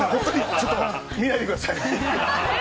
ちょっと見ないでください。